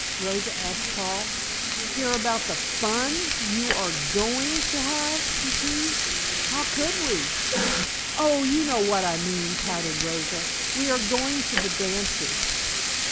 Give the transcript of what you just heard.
Rosa asked Paul. "Hear about the fun you are going to have?" he teased. "How could we?" "Oh, you know what I mean," pouted Rosa. "We are going to the dances."